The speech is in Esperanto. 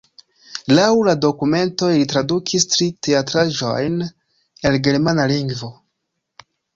Laŭ la dokumentoj li tradukis tri teatraĵojn el germana lingvo.